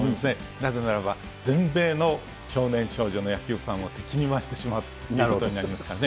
なぜならば全米の少年少女の野球ファンを敵に回してしまうということになりますからね。